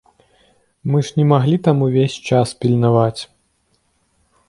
Мы ж не маглі там увесь час пільнаваць!